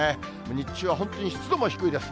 日中は本当に湿度も低いです。